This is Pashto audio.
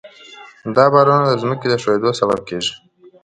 دا بارانونه د ځمکې ښویېدو سبب کېږي.